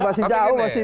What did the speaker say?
masih jauh masih